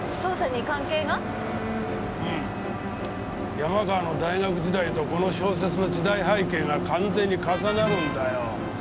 山川の大学時代とこの小説の時代背景が完全に重なるんだよ。